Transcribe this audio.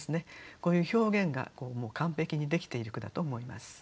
こういう表現が完璧にできている句だと思います。